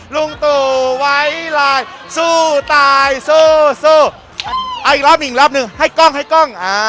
ลุงตุวัยลายสู้ตายสู้สู้อีกร้องอีกร้องให้กล้องให้กล้อง